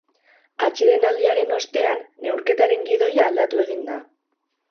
Atsedenaldiaren ostean, neurketaren gidoia aldatu egin da.